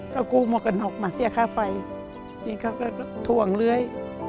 แล้วกูมอกกันออกมาเสียค่าไฟจริงเขาก็ถ่วงเรื่อย